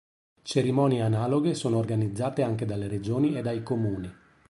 Cerimonie analoghe sono organizzate anche dalle Regioni e dai Comuni.